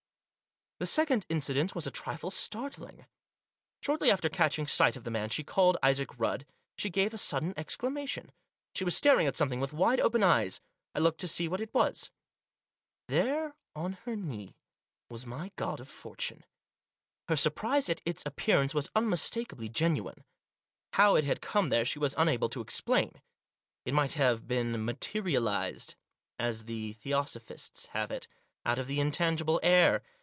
The second incident was a trifle startling. Shortly after catching sight of the man she called Isaac Rudd, she gave a sudden exclamation. She was staring at something with wide open eyes. I looked to see what it was. There, on her knee, was my God of Fortune. Her surprise at its appearance was unmistakably genuine. How it had come there she was unable to explain. It might have been "materialised," as the Theosophists have it, out of the intangible air.